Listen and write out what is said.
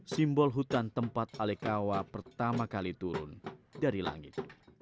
simbol hutan tempat alekawa pertama kali turun dari langit